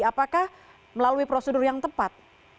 apakah melalui prosedur yang tepat